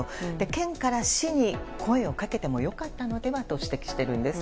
県から市に声をかけてもよかったのではと指摘しています。